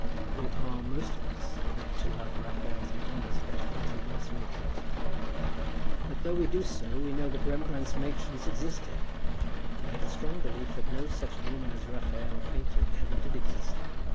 We are, most of us, apt to love Raphael's madonnas better than Rembrandt's matrons. But, though we do so, we know that Rembrandt's matrons existed; but we have a strong belief that no such woman as Raphael painted ever did exist.